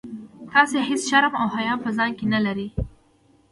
تاسي هیڅ شرم او حیا په ځان کي نه لرئ.